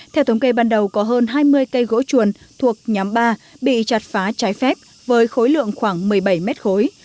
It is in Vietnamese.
theo thống kê ban đầu có hơn hai mươi cây gỗ chuồn thuộc nhóm ba bị chặt phá trái phép với khối lượng khoảng một mươi bảy mét khối